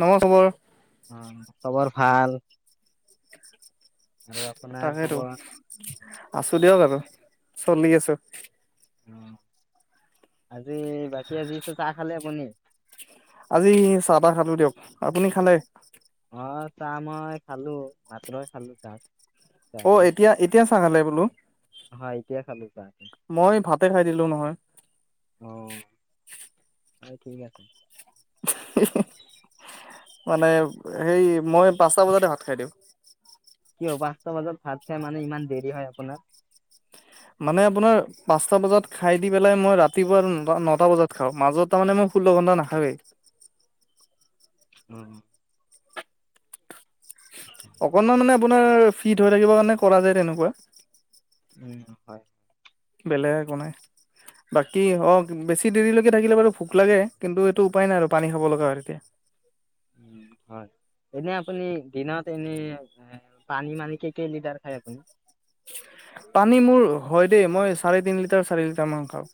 নমো খবৰ খবৰ ভাল। আৰু আপোনাৰ তাকেতো খবৰ? আছো দিয়ক, আৰু চলি আছো। অ', বাকী আজি চাহ খালে আপুনি? আজি চাহ, তাহ খালো দিয়ক, আপুনি খালে? অ', চাহ মই খালো ভাতেই খালো চাহ অ', চাহটো এতিয়া, এতিয়া চাহ খালে বোলো? হয় এতিয়া খালো চাহটো মই ভাতে খাই দিলো নহয়। অ', ঠিক আছে মানে, সেই মই পাঁচটা বজাতে ভাত খাই দিওঁ। কিয় পাঁচটা বজাত ভাত খাই মানে ইমান দেৰি হয় আপোনাৰ মানে আপোনাৰ পাঁচটা বজাত খাই দি পেলাই, মই ৰাতিপুৱা ন নটা বজাত খাওঁ। মাজত তাৰ মানে মোক ষোল্ল ঘন্টা নাখাওঁই ও অকণমান মানে আপোনাৰ ফিট হৈ থাকিব কাৰণে কৰা যায় তেনেকুৱা, [unintelligible] বেলেগে একো নাই। বাকী অ বেছি দেৰিলৈকে থাকিলে বাৰু ভোক লাগে, কিন্তু এইটো উপায় নাই আৰু পানী খাব লগা হয় তেতিয়া। [inaudible] উম হয়। এনে আপুনি দিনত এনে পানী মানে কে -কে লিটাৰ খায় আপুনি? পানী মোৰ হয় দেই। মই চাৰে তিনি লিটাৰ চাৰি লিটাৰ মান খাওঁ।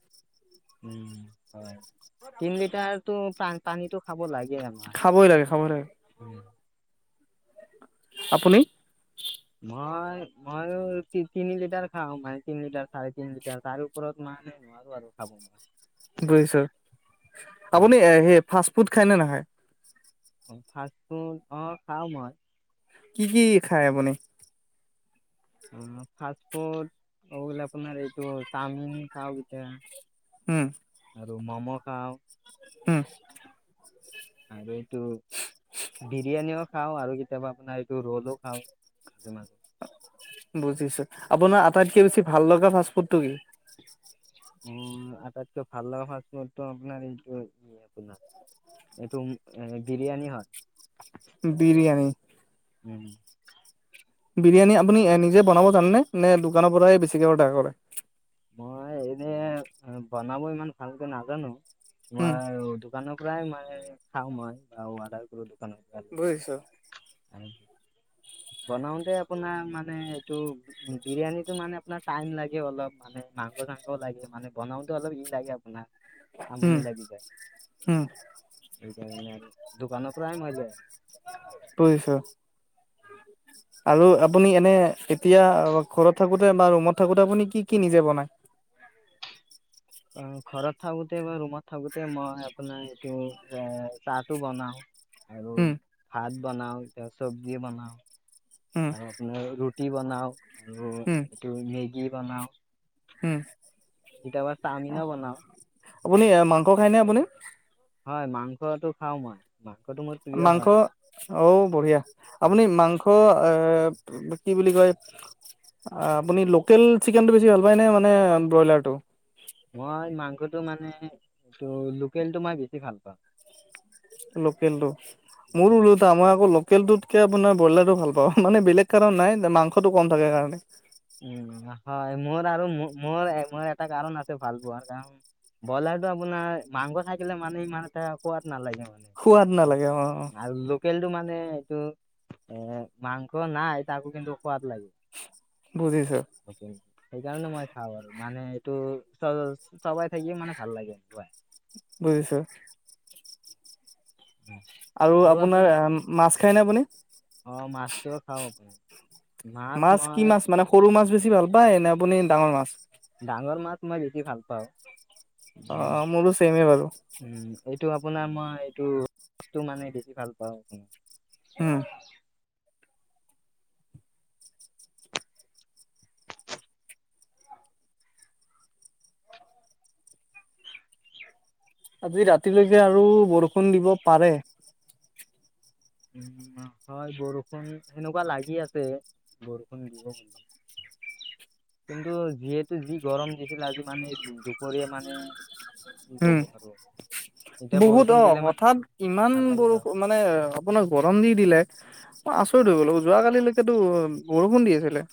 তিন লিটাৰতো পানীটো খাব লাগে। খাবই লাগে খাবই লাগে [unintelligible] আপুনি? হয় মইও তিনি লিটাৰ খাওঁ মানে তিনি লিটাৰ চাৰে তিনি লিটাৰ তাৰ ওপৰত মানে [unintelligible] আপুনি সেই ফাষ্ট ফুড খায়নে নাখায়? ফাষ্ট ফুড অ খাও মই। কি কি খাই আপুনি? অ ফাষ্ট ফুড আপোনাৰ এইটো চাওমিন চাও কেতিয়া হম ম'ম' খাও। উম। আৰুটো বিৰিয়ানিও খাওঁ আৰু কেতিয়াবা আপোনাৰ এইটো ৰলো খাওঁ ম বুজিছো আপোনাৰ আটাইতকে বেছি ভাল লগা ফাষ্ট ফুডটো কি উ আটাইতকৈ ভাল লগা ফাচ ফোট ত আপোনাৰ এইটোপোনাৰ এইটো এ বিৰিয়ানী হয় বিৰিয়ানি উম বিৰিয়ানী আপুনি নিজে বনাব জানেনে নে দোকানৰ পৰা বেছিকে অৰ্ডাৰ কৰে মই এনে বনাব ইমান ভালকে নাজানো উম মই দোকানৰ প্ৰায় মানে খাওঁ মই অৰ্ডাৰ কৰো বুজিছো আৰু বনাওতে আপোনাৰ মানে এইটো বিৰিয়ানীটো মানে আপোনাৰ টাইম লাগে অলপ মানে মাংস চাং লাগে মানে বনাওঁতে অলপ ই লাগে আপোনাৰ উম আমনি লাগি যায় উম সেইকাৰণে আৰু দোকানত প্ৰায় মজা বুজিছো আৰু আপুনি এনে এতিয়া ঘৰত থাকোতে বা ৰুমত থাকোতে আপুনি কি কি নিজে বনায় হয় অ ঘৰত থাকোতে বা ৰুমত থাকোতে মই আপোনাৰ এইটো এ চাহটো বনাও আৰু উম ভাত বনাও এতি চব্জি বনাও উম আৰু আপোনাৰ ৰুি ৰুটি বনাওঁ আৰু উম এইটো মেগী বনাওঁ উম কেতিয়াবা চাওমিনো বনাওঁ আপুনি মাংস খায়নে আপুনি হয় মাংসটো খাও মই মাংসটো মোৰ প্ৰিয় মাংস হয় অঔ বঢ়িয়া আপুনি মাংস কি বুলি কয় আপুনি লোকেল চিকেনটো বেছি ভাল পায় নে মানে ব্ৰইলাৰটো। মই মাংসটো মানে এইটো লোকেলটো মই বেছি ভাল পাওঁ। লোকেলটো মোৰ ওলোটা মই আকৌ লোকেলটোতকে আপোনাৰ ব্ৰইলাৰটো ভাল পাওঁ মানে বেলেগ কাৰণ নাই মাংসটো কম থাকে কাৰণে। উম হয় মোৰ আৰু মোৰ মোৰ এটা কাৰণ আছে ভাল পোৱাৰ কাৰণ ব্ৰইলাৰটো আপোনাৰ মাংস খাইাকিলে মানে ইমান কোৱাত নালাগে। খোৱোৱাৰ নালাগে অ, পেলটো মানে এইটো এ মাংস নাই তাকো কিন্তু সোৱাদ লাগে। বুজিছো সেইকাৰণে মই খাও আৰু মানে। টো চ চবাই থাকিয়ে মানে ভাল লাগে ভাই। বুজিছো। আৰু আপোনাৰ মাছ খায়নে আপুনি? অ, মাছটো খাব পাৰি মাছ কি মাছ মানে সৰু মাছ বেছি ভাল পায় নে আপুনি ডাঙৰ মাছ। ডাঙৰ মাছ মই বেছি ভাল পাও। অ, মোৰ তো চেম বাৰু উম এইটো আপোনাৰ মই এইটোটো মানে দেখি ভাল পাও আপোনাৰ হম আজি ৰাতিলৈকে আৰু বৰষুণ দিব পাৰে। উম হয় বৰষুণ সেনেকুৱা লাগি আছে বৰষুণ দিব বুলি। কিন্তু যিহেতু যি গৰম দিছিলে আজি মানে দুপৰীয়া মানে কি উম, ক'ব আৰু এতিয়া বহুত বৰষুণ অ, দিলে মানে হঠাৎ ইমান ভাল লাগিল হয় বৰষুণ মানে আপোনাৰ গৰম দি দিলে মই আচৰিত ধৰিব লাগিব যোৱাকালিলৈকেতো বৰষুণ দি আছিলে।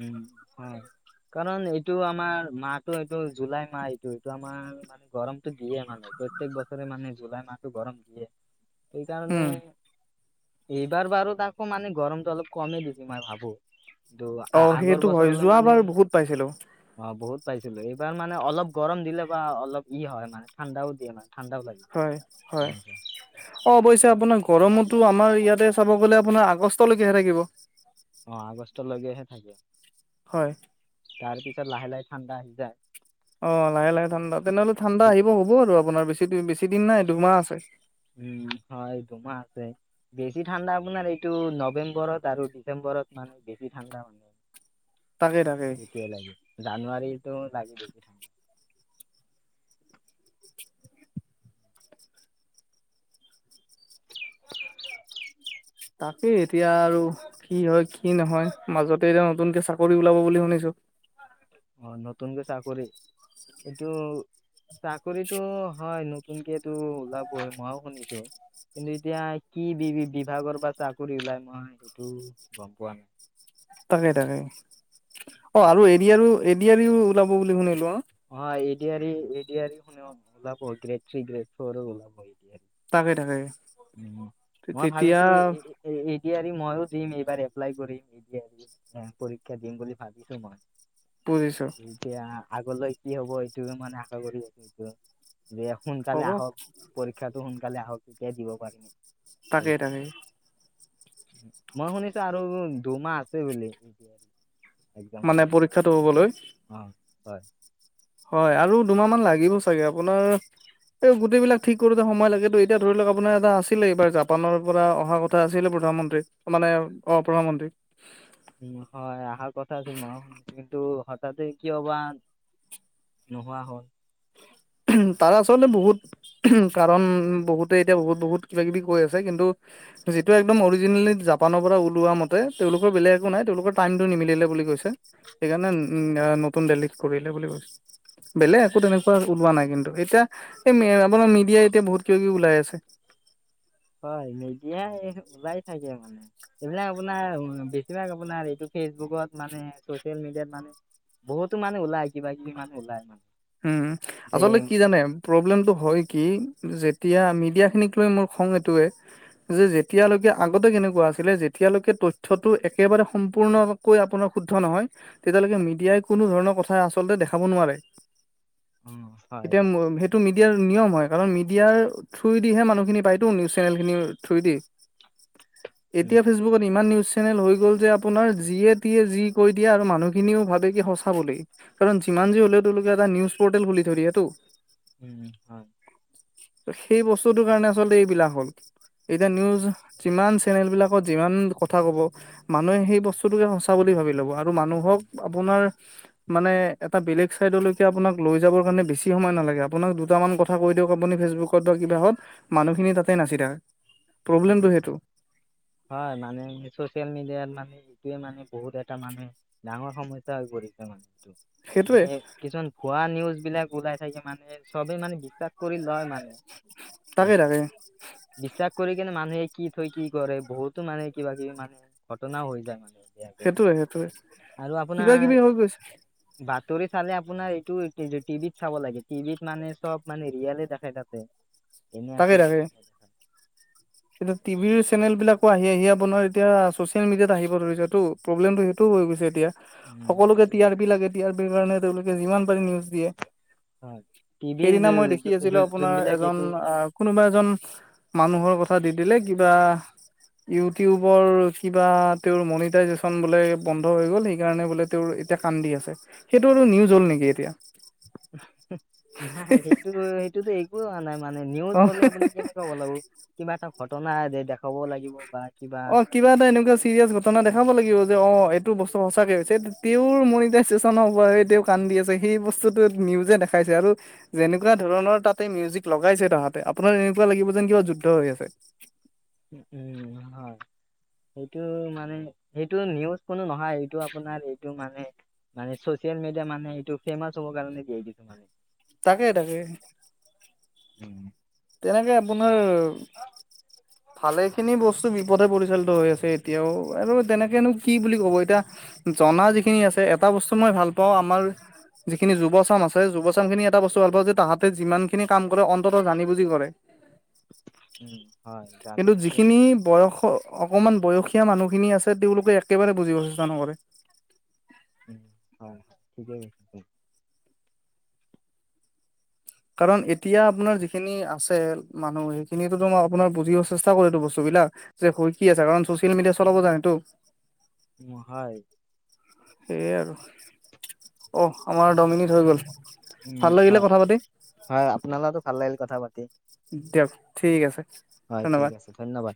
উম হয়। [inaudible] কাৰণ এইটো আমাৰ মাহটো এইটো জুলাই মাহ এইটো এইটো আমাৰ মানে গৰমতটো দিয়ে মান প্ৰত্যেক বছৰে মানে জুলাই মাহটো গৰম দিয়ে সেইকাৰণে উম এইবাৰ বাৰু তাকৌ মানে গৰমটো অলপ কমেই দিছি মই ভাবো কিন্তু অ আ - আগৰ সেইটো হয় বছৰলৈ মানে যোৱাবাৰ বহুত পাইছিলো অ, বহুত পাইছিলো এই এইবাৰ মানে অলপ গৰম দিলে বা অলপ ই হয় মানে ঠাণ্ডাও দিয়ে মানে। ঠাণ্ডাও লাগে। হয়- হয় অ, অৱশ্যে আপোনাক গৰমতো আমাৰ ইয়াতে চাব গলে আপোনাৰ আগষ্টলৈকেে থাকিব। অ, আগষ্টলৈকেহে থাকে। হয়। তাৰ পিছত লাহে - লাহে ঠাণ্ডা আহি যায়। অ, লাহে - লাহে ঠাণ্ডা তেনেহ'লে ঠাণ্ডা আহিব হ'ব আৰু আপোনাৰ বেছি - বেছি দিন নাই দুমাহ আছে। উম, হয় দুোমাহ আছে বেছি ঠাণ্ডা আপোনাৰ এইটো নৱেম্বৰত আৰু ডিচেম্বৰ ওৰত মানে বেছি ঠাণ্ডা মানে। তাকেই - তাকেই। জানুৱাৰীতো লাগি দেখি ঠাডা [inaudible] তাকেই এতিয়া আৰু কি হয় কি নহয় মাজতে এতিয়া নতুনকে চাকৰি ওলাব বুলি শুনিছো। অ, নতুনকে চাকৰি এইটো চাকৰিতটো হয় নতুনকো ওলাবই মইও শুনিছো। কিন্তু এতিয়া কি বি বিভাগৰ পৰা চাকৰি ওলাই মই সেইটো গম পোৱা নাই। তাকে - তাকে অ, আৰু এৰিয় আৰু A D R E - A D R E ওলাব বুলি শুনিলো। অ, অ, এড এডৰি শুনে ওলাব গ্ৰেড থ্ৰী গ্ৰেড ফ'ৰ ওলাব। তাকে তাকে উম, মই তেতিয়া ভাবিছো এৰি মই দিম এইবাৰ এপ্লাই কৰিম এডৰি পৰীক্ষা দিম বুলি ভাবিছো মই। বুজিছো। এতিয়া আগলৈ কি হব এইটো মানে আশা কৰি আছো এইটো যে সোনকালে হ'ব আহক পৰীক্ষাটো সোনকালে আহক তেতিয়া দিব পাৰিমে। তাকে - তাকে। মই শুনিছো আৰু দুমাহ আছে বুলি। এক্সাম হব মানে পৰীক্ষাটো হ'বলৈ অ', হয়। হয় আৰু দুমাহ মান লাগিব চাগে আপোনাৰ। এই গোটেইবিলাক ঠিক কৰোতে সময় লাগেটো। এতিয়া ধৰি লওঁক আপোনাৰ এটা আছিলে এইবাৰ জাপানৰ পৰা অহা কথা আছিলে। প্ৰধানমন্ত্ৰী মানে অ' প্ৰধানমন্ত্ৰী। উম, হয় আহাৰ কথা আছিল নহা শুনিছোঁ। কিন্তু হঠাতে কি অ' বা নোহোৱা হ'ল। তাৰে আচলতে বহুত কাৰণ বহুতে এতিয়া বহুত বহুত কিবা কিবি কৈ আছে। কিন্তু যিটো একদম অৰিজিনেলি জাপানৰ পৰা ওলোৱা মতে তেওঁলোকৰ বেলেগ একো নাই, তেওঁলোকৰ টাইমটো নিমিলিলে বুলি কৈছে। সেইকাৰণে নতুন দেল্লীত কৰিলে বুলি বেলেগ একো তেনেকুৱা ওলোৱা নাই। কিন্তু এতিয়া এই আপোনাৰ মিডিয়াই এতিয়া বহুত কিব কিবি ওলাই আছে। হয়, মেডিয়াই ওলাই থাকে মানে এইবিলাক আপোনাৰ বেছিভাগ আপোনাৰ এইটো ফেচবুকত মানে ছ'চিয়েল মিডিয়াত মানে বহুতো মানে ওলাই কিবা কিবি মানুহ ওলাই মানে। উম, যে আচলতে কি জানে প্ৰব্লেমটো হয় কি যে এতিয়া মিডিয়া খিনিক লৈ মোৰ খং এইটোয়ে যে যেতিয়ালৈকে আগতে কেনেকুৱা আছিলে যেতিয়ালৈকে তথ্যটো একেবাৰে সম্পূৰ্ণকৈ আপোনাৰ শুদ্ধ নহয়। তেতিয়ালৈকে মেডিয়াই কোনো ধৰণৰ কথা আচ আচলতে দেখাব নোৱাৰে। উম হয় এতিয়া ম সেইটো মে মেডিয়াৰ নিয়ম হয় কাৰণ মিডিয়াৰ থ্ৰো দিহে মানুহখিনি পায়তো নিউজ চেনেল খিনিৰ থ্ৰোৰেদি উম এইটোয়ে ফেচবুকত ইমান নিউজ যে লৈ গ'ল যে আপোনাৰ যিয়ে টিয়ে যি কৈ দিয়ে আৰু মানুহ খিনিও ভাবে কি সঁচা বুলি কাৰণ যিমান যি হ'লেও তেওঁলোকে এটা নিউজ পৰ্টেল খুলি খুলি থয়দিয়েটো। উম হয় সেই বস্তুটোৰ কাৰণে আচলতে এইবিলাক হ'ল। এতিয়া নিউজ যিমান চেনেল বিলাকত যিমান কথা ক'ব মানুহে সেই বস্তুটোকে সঁচা বুলি ভাবি ল'ব আৰু মানুহক আপোনাৰ মানে এটা বেলেগ চাইদলৈ আপোনাক লৈ যাবৰ কাৰণে বেছি সময় নালাগে আপোনাক দুটা মান কথা কৈ দিয়ক আপুনি ফেচবুকত বা কিবাহত মানুহ খিনি তাতে নাচি থাকে। প্ৰব্লেমটো সেইটো হয় মানে ছ'চিয়েল মিডিয়াৰ মানে এটোয়ে মানে বহুত এটা মানে ডাঙৰ সমস্যা হৈ পৰিছে মানে সেইটোৱে মানে কিছুমান ভুৱা নিউজ বিলাক ওলাই থাকে মানে চবে মানে বিশ্বাস কৰি লয় মানে তাকে তাকে বিশ্বাস কৰি কিনে মানুহে কি থৈ কি কৰে বহুতো মানে কিবা কিবি মানে ঘটনাও হৈ যায় মানে এতিয়া সেইটোয়ে, সেইটোয়ে কিবা কিবি হৈ গৈছে। ষ্টৰি চালে আপোনাৰ এইটো টিভিত চাব লাগে, টিভিত মানে চ'ব মানে ৰিয়েল দেখাই থাকে। এনে তাকে আকৈ তাকে এতিয়া টিভিৰ চেনেল বিলাকো আহি আহিয় বনোৱাৰ এতিয়া ছ'চিয়েল মিডিয়াত আহিব ধৰিছে এইটো প্ৰব্লেমটো সেইটোও হৈ গৈছে এতিয়া। উম সকলোকে সেইটো টি আৰ পি লাগে টি আৰ পিৰ কাৰণে তেওঁলোকে যিমান পাৰি নিউজ দিয়ে। হয় টিভিৰ সেইদিনা মই দেখি আছিলোঁ আপোনাৰ যোনবিলাক এজন এইটো আহ কোনোবা এজন মানুহৰ কথা দি দিলে কিবা ইউটিউবৰ কিবা তেওঁৰ মনিটাইজচন বোলে বন্ধ হৈ গ'ল সেইকাৰণে বোলে তেওঁৰ এতিয়া কান্দি আছে, সেইটো নিউজ হ'ল নেকি এতিয়া। নাই সেইটো সেইটোতো একো হোৱা নাই। মানে নিউজ হ'লে অ আপোনাক কেনেকুৱা হ'ব লাগিব কিবা এটা ঘটনা দে দেখাব লাগিব বা কিবা অ' কিবা এটা এনেকুৱা চিৰিয়েছ ঘটনা দেখাব লাগিব। যে অ', এইটো বস্তু সঁচাকে [unintelligible] তেওঁৰ মনিটাইজেশ্যনৰ [unintelligible] কান্দি আছে, সেই বস্তুটো নিউজে দেখা আছে, আৰু যেনেকুৱা ধৰণৰ তাতে মিউজিক লগাইছে তাহাঁতে, আপোনাৰ এনেকুৱা লাগিব যেন কিবা যুদ্ধ হৈ আছে। উ উম, হয়। সেইটো মানে, সেইটো নিউজ কোনো নহয়, এইটো আপোনাৰ এইটো মানে, মানে চচিয়েল মিডিয়া মানে এইটো, ফেমাচ হ'ব কাৰণে দিয়ে কিছুমানে। তাকে, তাকে। [inaudible] তেনেকৈ আপোনাৰ ভালে খিনি বস্তু বিপথে পৰিচালিত হৈ আছে এতিয়াও, আৰু তেনেকেনো কি বুলি ক'ব এতিয়া জনা যিখিনি আছে এটা বস্তু মই ভাল পাওঁ আমাৰ যিখিনি যুৱচাম আছে যুৱচাম খিনি এটা বস্তু ভাল পা যে তাহাঁতে যিমান খিনি কাম কৰে অন্ততঃ জানি বুজ যি কৰে, উম, হয় কিন্তু জালুকতে যিখিনি বয়স অকমান বয়স দুখীয়া মানুহখিনি আছে তেওঁলোকে একেবাৰে বুজিব চেষ্টা নকৰে। উ হয় হয় ঠিকেই আছ কাৰণ এতিয়া আপোনাৰ যিখিনি আছে মানুহ সেইখিনিয়েটো ম আপোনাৰ বুজিব চেষ্টা কৰেতো বস্তু যে হৈ কি আছে, কাৰণ চচিয়েল মিডিয়া চলাব জানেটো। উ হয়। সেইয়াই আৰু অহঃ আমাৰ দহমিনিট হৈ গ'ল। উম ভাল লাগিলে হয় কথা পাতি হয় আপোনালগতো ভাল লাগিল কথা পাতি। দিয়ক ঠিক আছে। হয় ধন্যবাদ। ঠিক আছে ধন্যবাদ।